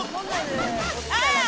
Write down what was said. ああ！